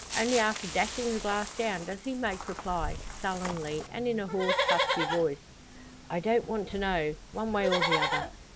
Only after dashing the glass down does he make reply sullenly, and in a hoarse, husky voice: "I don't want to know, one way or the other.